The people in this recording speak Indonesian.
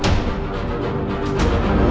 atau kan organisasi